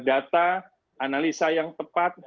data analisa yang tepat